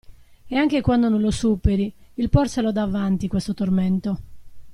E anche quando non lo superi, il porselo davanti, questo tormento.